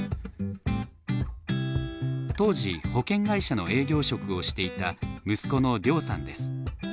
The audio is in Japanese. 当時保険会社の営業職をしていた息子の涼さんです。